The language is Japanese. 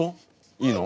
いいの？